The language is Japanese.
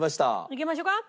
いきましょか！